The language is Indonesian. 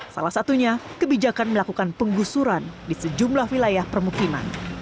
salah satunya kebijakan melakukan penggusuran di sejumlah wilayah permukiman